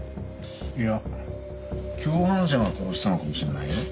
いや共犯者が殺したのかもしれないよ。